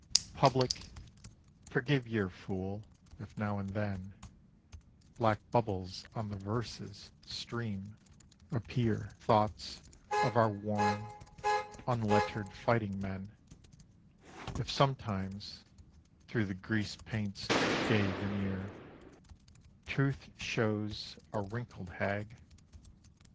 Public, forgive your fool; if now and then Black bubbles on the verse's stream appear Thoughts of our worn, unlettered fighting men; If sometimes, through the grease paint's gay veneer, Truth shews a wrinkled hag.